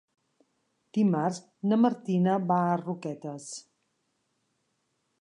Dimarts na Martina va a Roquetes.